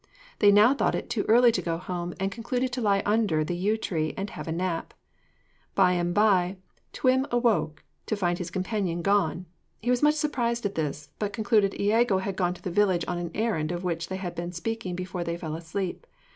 They now thought it too early to go home, and concluded to lie down under the yew tree and have a nap. By and by Twm awoke, to find his companion gone. He was much surprised at this, but concluded Iago had gone to the village on an errand of which they had been speaking before they fell asleep.